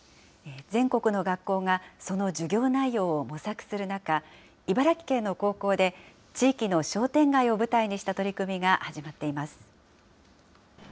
全国の学校が、その授業内容を模索する中、茨城県の高校で、地域の商店街を舞台にした取り組みが始まっています。